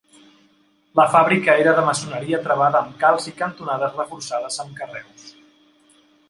La fàbrica era de maçoneria travada amb calç i cantonades reforçades amb carreus.